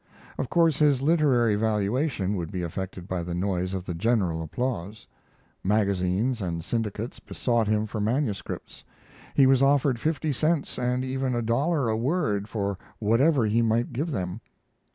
Of course his literary valuation would be affected by the noise of the general applause. Magazines and syndicates besought him for manuscripts. He was offered fifty cents and even a dollar a word for whatever he might give them.